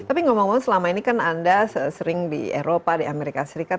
tapi ngomong ngomong selama ini kan anda sering di eropa di amerika serikat